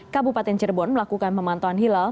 kabupaten cirebon melakukan pemantauan hilal